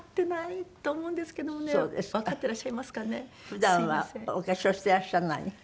普段はお化粧してらっしゃらないの？